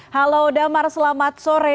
halo damar selamat sore